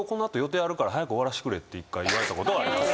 １回言われたことはあります。